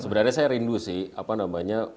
sebenarnya saya rindu sih apa namanya